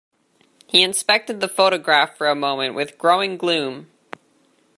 He inspected the photograph for a moment with growing gloom.